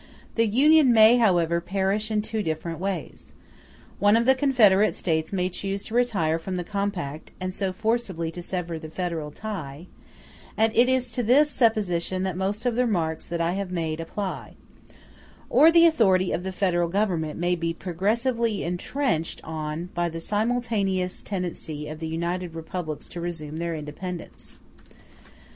The Union may, however, perish in two different ways: one of the confederate States may choose to retire from the compact, and so forcibly to sever the federal tie; and it is to this supposition that most of the remarks that I have made apply: or the authority of the Federal Government may be progressively entrenched on by the simultaneous tendency of the united republics to resume their independence.